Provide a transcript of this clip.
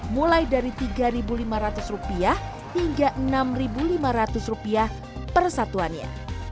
mulai dari tiga lima ratus rupiah hingga enam lima ratus rupiah persatuannya